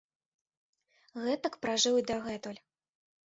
Гэтак пражыў і дагэтуль.